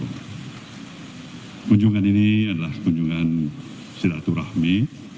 dan kunjungan ini adalah kunjungan silaturahmi